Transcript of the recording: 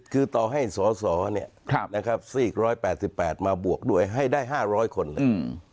คือต่อให้สอเนี่ยสี่ร้อยแปดสิบแปดมาบวกด้วยให้ได้ห้าร้อยคนเลย